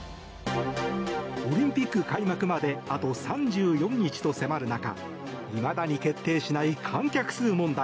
オリンピック開幕まであと３４日と迫る中いまだに決定しない観客数問題。